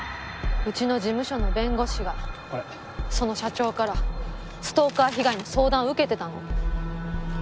うちの事務所の弁護士がその社長からストーカー被害の相談を受けてたの。